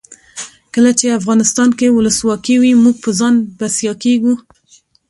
کله چې افغانستان کې ولسواکي وي موږ په ځان بسیا کیږو.